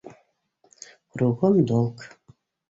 Кругом долг!